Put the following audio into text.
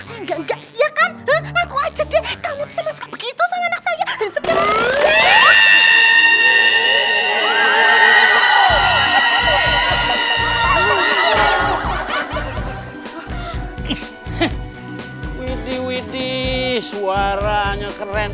saya peringatkan sekalian ya